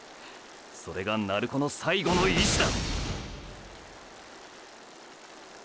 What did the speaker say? それが鳴子の最後の意思だ！！